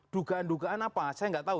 dugaan dugaan apa saya nggak tahu